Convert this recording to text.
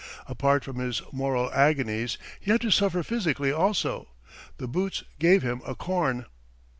Apart from his moral agonies he had to suffer physically also; the boots gave him a corn.